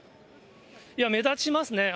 目立ちますね。